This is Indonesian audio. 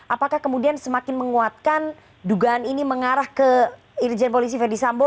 apakah kemudian semakin menguatkan dugaan ini mengarah ke irjen polisi verdi sambo